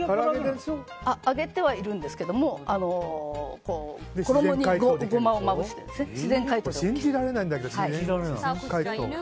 揚げてはいるんですけども衣にゴマをまぶして自然解凍ということで。